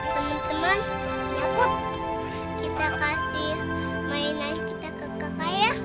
teman teman nyaput kita kasih mainan kita ke kakak ya